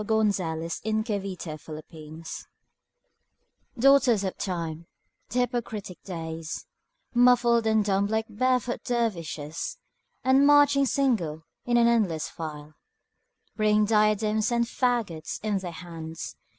Ralph Waldo Emerson Days DAUGHTERS of Time, the hypocritic Days, Muffled and dumb like barefoot dervishes, And marching single in an endless file, Bring diadems and faggots in their hands.